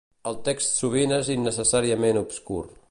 El text sovint és innecessàriament obscur.